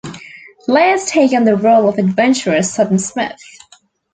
Players take on the role of adventurer Sudden Smith.